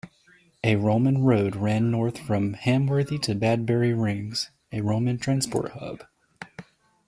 A Roman Road ran north from Hamworthy to Badbury Rings, a Roman transport hub.